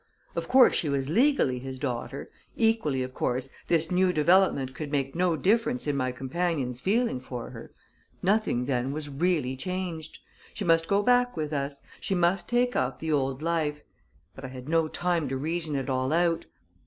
Of course, she was legally his daughter; equally of course, this new development could make no difference in my companion's feeling for her. Nothing, then, was really changed. She must go back with us; she must take up the old life But I had no time to reason it all out.